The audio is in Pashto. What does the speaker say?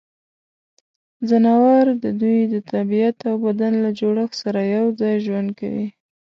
ځناور د دوی د طبعیت او بدن له جوړښت سره یوځای ژوند کوي.